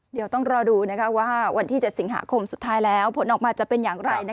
เดี๋ยวต้องรอดูว่าวันที่๗สิงหาคมสุดท้ายแล้วผลออกมาจะเป็นอย่างไร